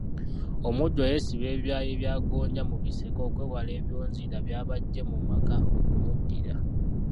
Omujjwa yeesiba ebyayi bya gonja mu biseke okwewala ebyonziira by’aba ajje mu maka okumuddira.